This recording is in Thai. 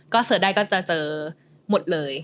ก็เสิร์ชได้ก็จะเจอหมดเลย